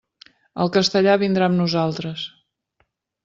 El castellà vindrà amb nosaltres.